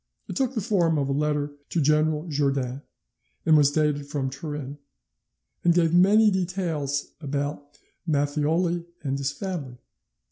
It took the form of a letter to General Jourdan, and was dated from Turin, and gave many details about Matthioli and his family.